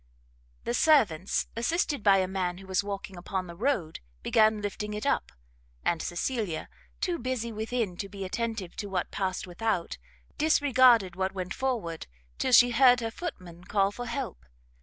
The servants, assisted by a man who was walking upon the road, began lifting it up; and Cecilia, too busy within to be attentive to what passed without, disregarded what went forward, till she heard her footman call for help.